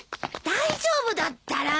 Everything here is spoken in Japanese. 大丈夫だったら。